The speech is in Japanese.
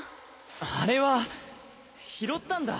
あれは拾ったんだ。